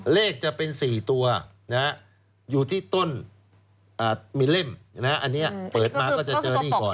เลขจะเป็น๔ตัวอยู่ที่ต้นมีเล่มอันนี้เปิดมาก็จะเจอนี่ก่อน